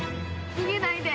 逃げないで。